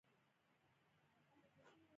متن پۀ لوست کښې مشکلات پېدا کوي